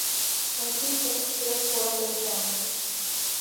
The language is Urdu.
میں ٹھیک ہوں، صرف تھوڑا پریشان ہوں۔